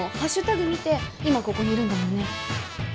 見て今ここにいるんだもんね＃